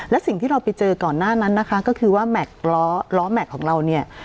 และสิ่งที่เราไปเจอก่อนหน้านั้นนะคะก็คือว่าแม็กซ์ล้อแม็กซ์ของเราเนี่ย